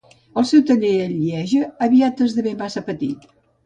El seu taller a Lieja aviat esdevé massa petit.